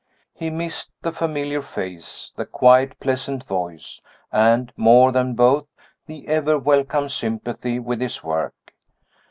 He missed the familiar face, the quiet pleasant voice, and, more than both, the ever welcome sympathy with his work.